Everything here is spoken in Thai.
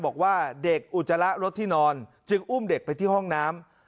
บอกว่าเด็กอุจจาระรถที่นอนจึงอุ้มเด็กไปที่ห้องน้ำ